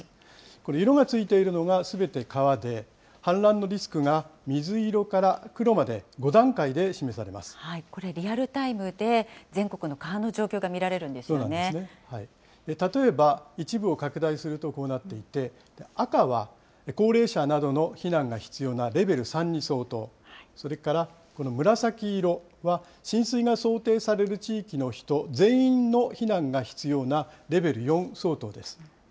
この色がついているのが、すべて川で、氾濫のリスクが水色から黒これ、リアルタイムで全国の例えば一部を拡大するとこうなっていて、赤は高齢者などの避難が必要なレベル３に相当、それからこの紫色は、浸水が想定される地域の人、全員の避難が必要なレベル４相当です。